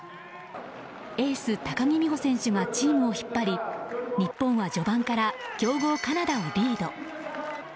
エース高木美帆選手がチームを引っ張り日本は序盤から強豪カナダをリード。